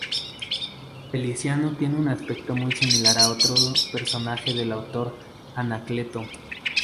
Feliciano tiene un aspecto muy similar a otro personaje del autor, Anacleto.